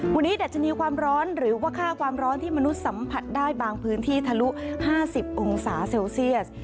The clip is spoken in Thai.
วันนี้ดัชนีความร้อนหรือว่าค่าความร้อนที่มนุษย์สัมผัสได้บางพื้นที่ทะลุ๕๐องศาเซลเซียส